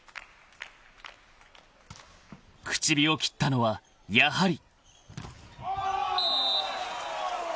［口火を切ったのはやはり］